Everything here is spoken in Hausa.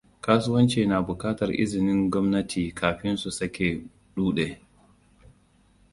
kasuwanci na bukatar izinin gwamnati kafin su sake-ɗude.